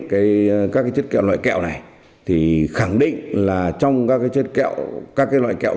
các chất kẹo loại kẹo này thì khẳng định là trong các loại kẹo